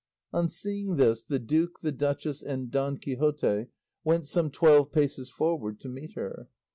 On seeing this the duke, the duchess, and Don Quixote went some twelve paces forward to meet her.